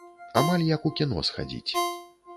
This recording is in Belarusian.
Амаль як у кіно схадзіць.